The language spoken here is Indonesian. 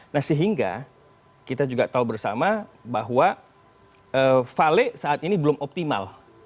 nah sehingga kita juga tahu bersama bahwa vale saat ini belum optimal